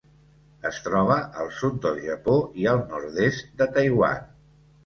Es troba al sud del Japó i al nord-est de Taiwan.